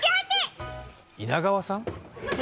稲川さん？